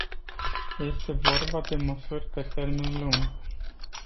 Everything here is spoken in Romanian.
Este vorba de măsuri pe termen lung.